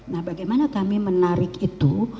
nah bagaimana kami menarik itu